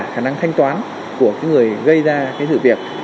khả năng thanh toán của người gây ra cái sự việc